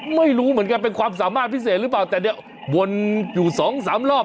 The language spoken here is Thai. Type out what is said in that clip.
ไม่รู้เหมือนกันเป็นความสามารถพิเศษหรือเปล่าแต่เนี่ยวนอยู่สองสามรอบ